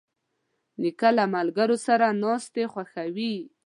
نیکه له ملګرو سره ناستې خوښوي.